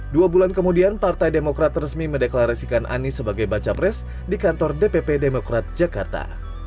dua bulan kemudian partai demokrat resmi mendeklarasikan anies sebagai baca pres di kantor dpp demokrat jakarta